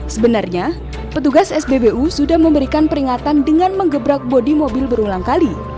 sebenarnya petugas sbbu sudah memberikan peringatan dengan mengebrak bodi mobil berulang kali